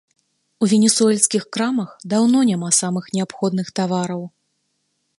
У венесуэльскіх крамах даўно няма самых неабходных тавараў.